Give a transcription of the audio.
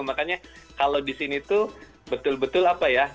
makanya kalau di sini tuh betul betul apa ya